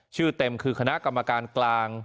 เต็มคือคณะกรรมการกลาง